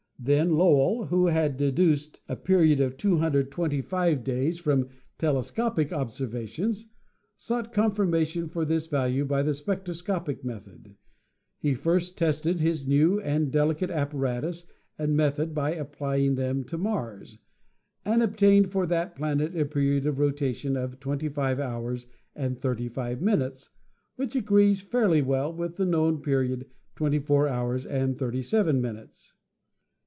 Then Lowell, who had deduced a period of 225 days from telescopic observations, sought confirmation for this value by the spectroscopic method. He first tested his new and delicate apparatus and method by ap plying them to Mars, and obtained for that planet a period of rotation of 25 hours and 35 minutes, which agrees fairly well with the known period, 24 hours and 37 minutes.